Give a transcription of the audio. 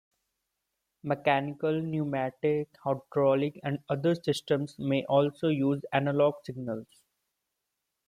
Mechanical, pneumatic, hydraulic, and other systems may also use analogue signals.